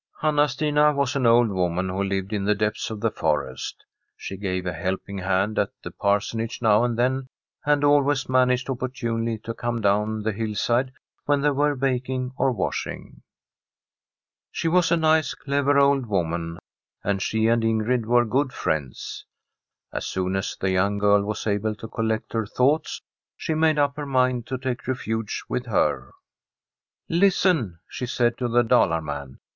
AxxA SnxA was an old woman who lived in tbe dcpdis <rf the forest. She gave a helping hand «t die Pirsooage now and then, and always zaanaged opportimely to come down the hillside vbea they were baking or washing. She was a nk^, clevir <dd woman, and she and Ingrid were pxx: friends. As soon as the young girl was able to coiSect her thoughts, she made up her mind to take rrfujTC with her. • listen.' she said to the Dalar man.